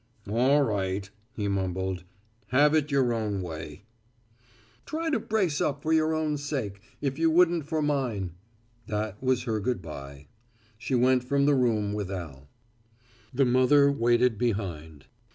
"All right," he mumbled, "have it your own way." "Try to brace up for your own sake, if you wouldn't for mine." That was her good bye. She went from the room with Al. The mother waited behind.